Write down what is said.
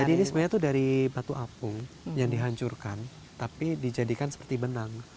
jadi ini sebenarnya itu dari batu apung yang dihancurkan tapi dijadikan seperti benang